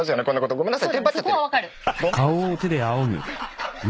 ごめんなさい。